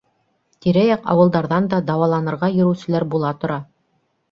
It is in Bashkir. Тирә-яҡ ауылдарҙан да дауаланырға йөрөүселәр була тора.